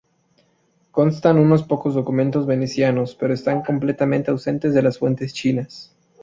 Constan unos pocos documentos venecianos, pero están completamente ausentes en las fuentes chinas.